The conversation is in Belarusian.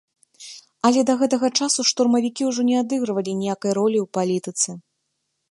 Але да гэтага часу штурмавікі ўжо не адыгрывалі ніякай ролі ў палітыцы.